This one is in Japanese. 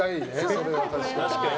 それは確かに。